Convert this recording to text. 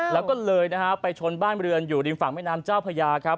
แล้วก็เลยนะฮะไปชนบ้านบริเวณอยู่ดินฝั่งเมืองน้ำเจ้าพระยาครับ